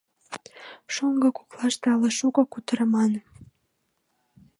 Шоҥго-влак коклаште але шуко кутырыман.